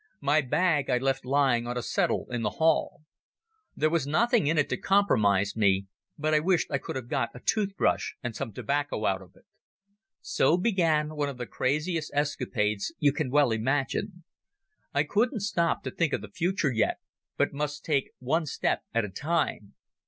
My bag I left lying on a settle in the hall. There was nothing in it to compromise me, but I wished I could have got a toothbrush and some tobacco out of it. So began one of the craziest escapades you can well imagine. I couldn't stop to think of the future yet, but must take one step at a time.